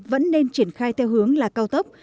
vẫn nên triển khai theo hướng là cao tốc